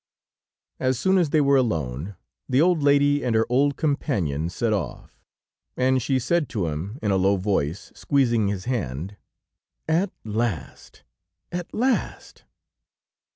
As soon as they were alone, the old lady and her old companion set off, and she said to him in a low voice, squeezing his hand: "At last! at last!"